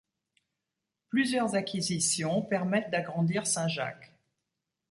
Plusieurs acquisitions permettent d’agrandir Saint-Jacques.